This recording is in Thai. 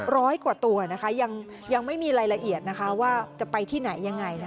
ร้อยกว่าตัวนะคะยังไม่มีรายละเอียดว่าจะไปที่ไหนยังไง